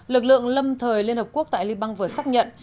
lực lượng lâm thời liên hợp quốc tại liban vừa xác nhận